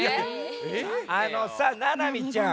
あのさななみちゃん